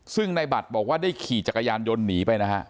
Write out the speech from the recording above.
ซึ่งในบัตรบอกว่าได้ขี่จักรยานยนต์หนีไปนะฮะ